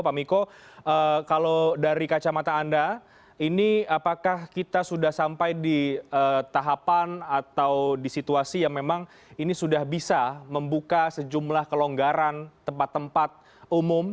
pak miko kalau dari kacamata anda ini apakah kita sudah sampai di tahapan atau di situasi yang memang ini sudah bisa membuka sejumlah kelonggaran tempat tempat umum